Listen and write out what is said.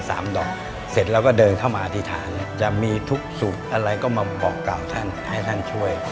และเสร็จปุ๊บนี่เห็นมีขันน้ำมนต์อยู่ด้านหน้าด้วย